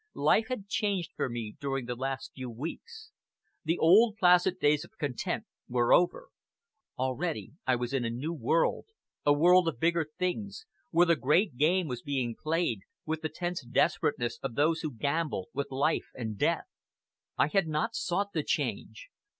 Life had changed for me during the last few weeks. The old, placid days of content were over; already I was in a new world, a world of bigger things, where the great game was being played, with the tense desperateness of those who gamble with life and death. I had not sought the change!